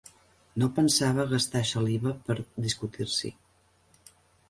No pensava gastar saliva per discutir-s'hi.